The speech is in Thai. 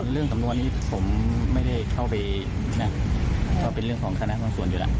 เรื่องสำนวนนี้ผมไม่ได้เข้าไปนะก็เป็นเรื่องของคณะบางส่วนอยู่แล้ว